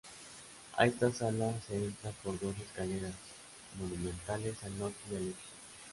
A esta sala se entra por dos escaleras monumentales, al norte y al este.